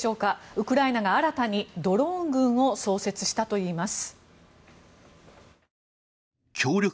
ウクライナが新たにドローン軍を創設したといいます。